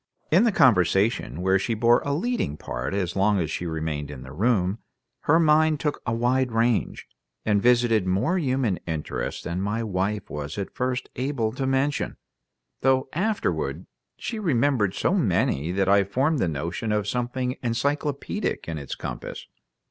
In the conversation, where she bore a leading part as long as she remained in the room, her mind took a wide range, and visited more human interests than my wife was at first able to mention, though afterward she remembered so many that I formed the notion of something encyclopedic in its compass.